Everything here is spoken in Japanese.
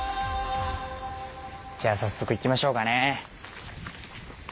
じゃあ早速行きましょうかね。